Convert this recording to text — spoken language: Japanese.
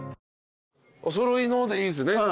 お揃いのでいいっすね？